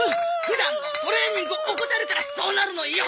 普段のトレーニングを怠るからそうなるのよ！